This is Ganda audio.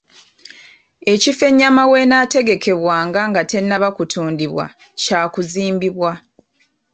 Ekifo ennyama weenaategekebwanga nga tennaba kutundibwa kyakuzimbibwa.